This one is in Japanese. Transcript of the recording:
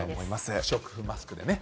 不織布マスクでね。